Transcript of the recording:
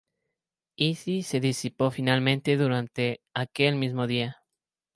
Easy se disipó finalmente durante aquel mismo día.